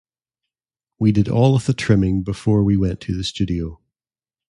We did all of the trimming before we went to the studio.